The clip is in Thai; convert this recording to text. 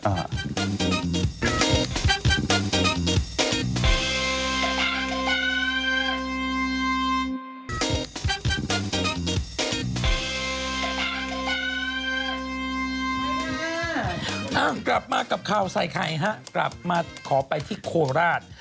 กลับมากับข่าวใส่ไข่ฮะกลับมาขอไปที่โคราช